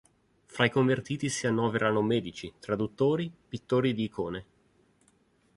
Fra i convertiti si annoverano medici, traduttori, pittori di icone.